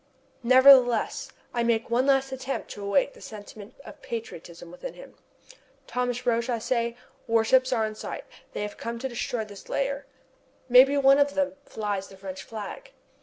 Nevertheless, I make one last attempt to awaken the sentiment of patriotism within him. "Thomas Roch," I say, "warships are in sight. They have come to destroy this lair. Maybe one of them flies the French flag!"